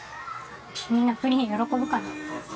みんなプリン喜ぶから。